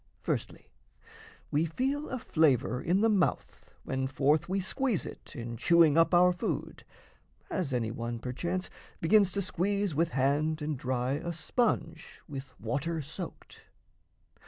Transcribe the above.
Firstly, we feel a flavour in the mouth, When forth we squeeze it, in chewing up our food, As any one perchance begins to squeeze With hand and dry a sponge with water soaked.